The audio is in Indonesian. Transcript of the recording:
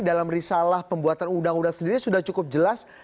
dalam risalah pembuatan undang undang sendiri sudah cukup jelas